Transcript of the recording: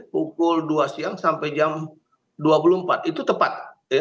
pukul dua siang sampai jam dua puluh empat itu tepat